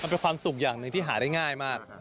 เป็นความสุขอย่างหนึ่งที่หาได้ง่ายมาก